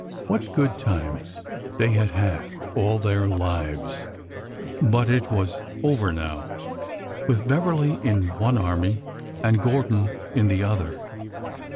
What good times they had had all their lives! But — it was over now!— with Beverly in one army and Gordon in the other.